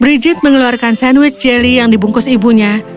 brigit mengeluarkan sandwich jelly yang dibungkus ibunya